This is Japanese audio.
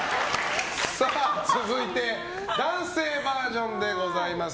さあ、続いて男性バージョンでございます。